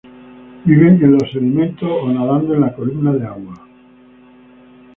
Viven en los sedimentos o nadando en la columna de agua.